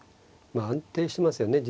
まあ安定してますよね